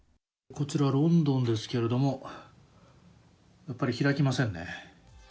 こちらロンドンですけれども開きませんね。